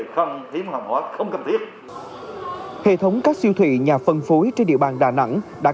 không hiếm hàng hóa không cần thiết hệ thống các siêu thị nhà phân phối trên địa bàn đà nẵng đã